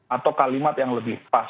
atau kalimat yang lebih pas